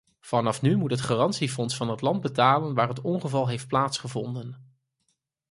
Vanaf nu moet het garantiefonds van het land betalen waar het ongeval heeft plaatsgevonden.